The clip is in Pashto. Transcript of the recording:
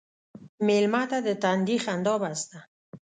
مېلمه ته د تندي خندا بس ده.